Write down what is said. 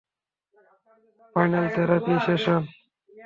Final therapy session.